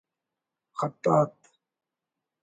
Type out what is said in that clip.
خطاط